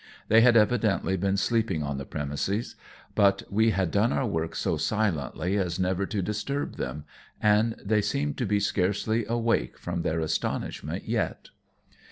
They had evidently been sleeping on the premises, but we had done our work so silently as never to disturb them, and they seemed to be scarcely awake from their astonishment yet.